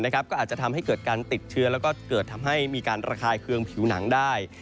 ก็อาจจะทำให้เกิดการติดเชื้อแล้วก็เกิดทำให้มีการระคายเคืองผิวหนังได้